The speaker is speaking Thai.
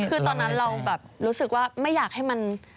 คือตอนนั้นเราแบบรู้สึกว่าไม่อยากให้มัน